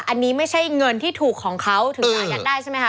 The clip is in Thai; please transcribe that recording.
อันนี้ไม่ใช่เงินที่ถูกของเขาถึงอายัดได้ใช่ไหมคะ